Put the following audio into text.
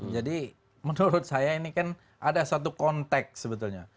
jadi menurut saya ini kan ada satu konteks sebetulnya